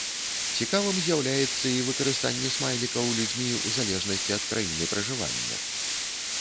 Цікавым з'яўляецца і выкарыстанне смайлікаў людзьмі ў залежнасці ад краіны пражывання.